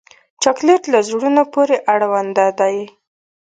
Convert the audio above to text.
چاکلېټ له زړونو پورې اړوند دی.